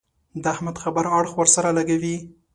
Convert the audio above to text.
د احمد خبره اړخ ور سره لګوي.